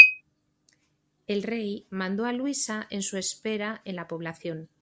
El Rey mandó a Luisa en su espera en la población.